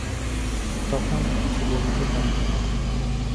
তখন কিছু বলিতে পারিল না।